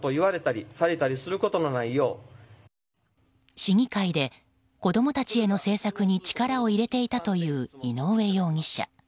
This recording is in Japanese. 市議会で、子供たちへの政策に力を入れていたという井上容疑者。